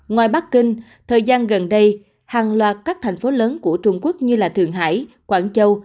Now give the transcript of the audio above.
ngoài bắc kinh thời gian gần đây hàng loạt các thành phố lớn của trung quốc như thường hải quảng châu